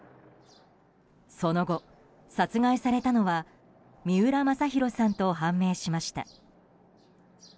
その後、殺害されたのは三浦正裕さんと判明しました。